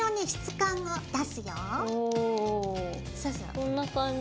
こんな感じ？